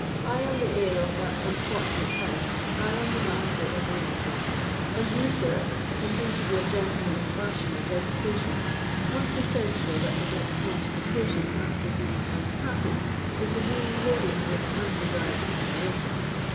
"I am the heir of that unfortunate house—I am the Master of Ravenswood. And you, sir, who seem to be a gentleman of fashion and education, must be sensible that the next mortification after being unhappy is the being loaded with undesired commiseration."